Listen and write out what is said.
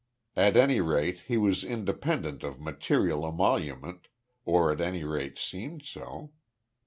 At any rate, he was independent of material emolument, or at any rate seemed so.